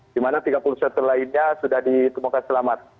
di mana tiga puluh setelah ini sudah ditemukan selamat